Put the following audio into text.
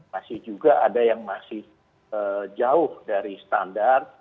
masih juga ada yang masih jauh dari standar